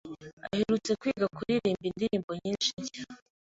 aherutse kwiga kuririmba indirimbo nyinshi nshya.